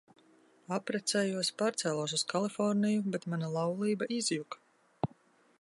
Apprecējos, pārcēlos uz Kaliforniju, bet mana laulība izjuka.